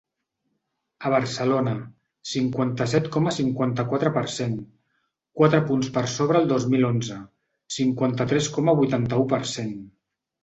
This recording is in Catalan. A Barcelona, cinquanta-set coma cinquanta-quatre per cent, quatre punts per sobre el dos mil onze, cinquanta-tres coma vuitanta-u per cent.